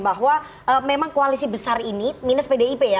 bahwa memang koalisi besar ini minus pdip ya